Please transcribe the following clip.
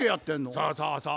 そうそうそう。